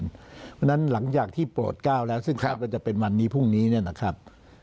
เพราะฉะนั้นหลังจากที่โปรด๙แล้วซึ่งก็จะเป็นวันนี้พรุ่งนี้นะครับ